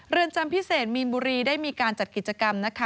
จำพิเศษมีนบุรีได้มีการจัดกิจกรรมนะคะ